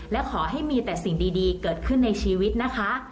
และขอให้มีแต่สิ่งดีเกิดขึ้นในชีวิตนะคะ